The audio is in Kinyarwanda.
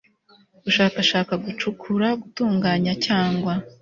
gushakashaka gucukura gutunganya cyangwa